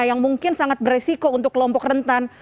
yang mungkin sangat beresiko untuk kelompok rentan